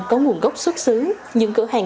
có nguồn gốc xuất xứ những cửa hàng